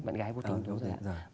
bạn gái vô tính